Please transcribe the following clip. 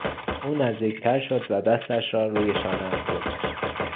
او نزدیکتر شد و دستش را روی شانهام گذاشت.